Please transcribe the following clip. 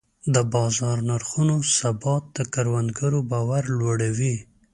د بازار نرخونو ثبات د کروندګر باور لوړوي.